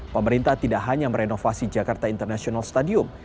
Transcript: pemerintah tidak hanya merenovasi jakarta international stadium